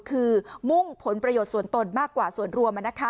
คือมุ่งผลประโยชน์ส่วนตนมากกว่าส่วนรวม